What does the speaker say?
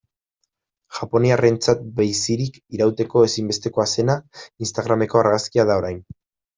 Japoniarrentzat bizirik irauteko ezinbestekoa zena, instagrameko argazkia da orain.